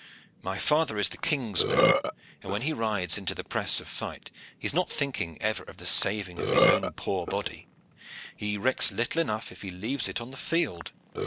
My father is the king's man, and when he rides into the press of fight he is not thinking ever of the saving of his own poor body; he recks little enough if he leave it on the field.